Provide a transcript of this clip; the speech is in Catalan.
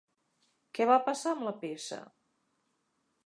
Què va passar amb la peça?